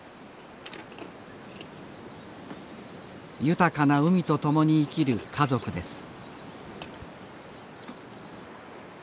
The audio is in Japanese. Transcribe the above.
豊かな海とともに生きる家族です